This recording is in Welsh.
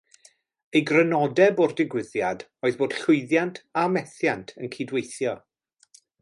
Ei grynodeb o'r digwyddiad oedd bod llwyddiant a methiant yn cydweithio.